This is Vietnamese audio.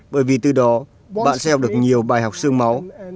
bởi vì từ đó bạn sẽ học được nhiều bài học sương máu